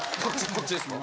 こっちですか？